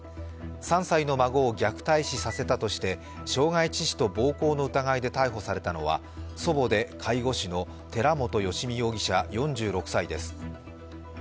３歳の孫を虐待死させたとして傷害致死と暴行の疑いで逮捕されたのは祖母で介護士の寺本由美容疑者４６歳です。